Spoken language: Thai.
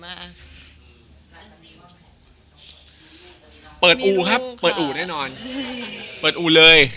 จะรักเธอเพียงคนเดียว